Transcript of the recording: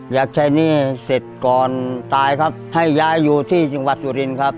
อยากใช้หนี้เสร็จก่อนตายครับให้ย้ายอยู่ที่จังหวัดสุรินครับ